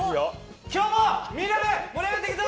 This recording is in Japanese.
今日もみんなで盛り上がっていくぞ！